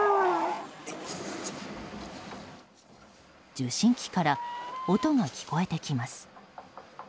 受信機から音が聞こえてきます。